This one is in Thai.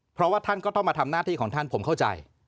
เพราะว่าท่านก็ต้องมาทำหน้าที่ของท่านผมเข้าใจ